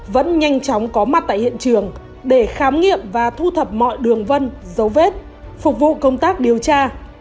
vẫn nhanh chóng có mặt tại hiện trường để khám nghiệm và thu thập mọi đường vân dấu vết phục vụ công tác điều tra